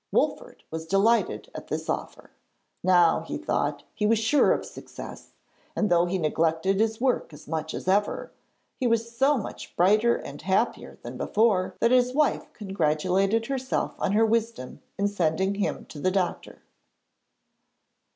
Wolfert was delighted at this offer. Now, he thought, he was sure of success, and though he neglected his work as much as ever, he was so much brighter and happier than before that his wife congratulated herself on her wisdom in sending him to the doctor.